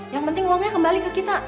yang penting uangnya kembali ke kita